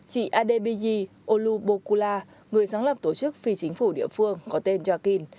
chị adebiyi olubokula người sáng lập tổ chức phi chính phủ địa phương có tên joaquin